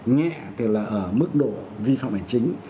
nhẹ tức là ở mức độ vi phạm hành chính